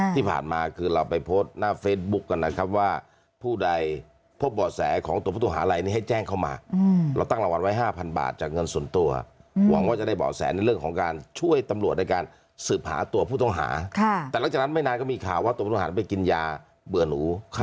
ที่ผ่านมาคือเราไปโพสท์หน้าเฟซบุ๊ก